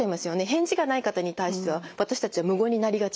返事がない方に対しては私たちは無言になりがちです。